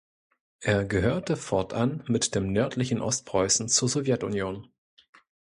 Er gehörte fortan mit dem nördlichen Ostpreußen zur Sowjetunion.